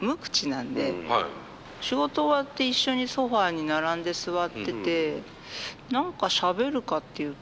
仕事終わって一緒にソファーに並んで座ってて何かしゃべるかっていうと。